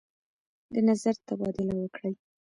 د نظر تبادله وکړئ.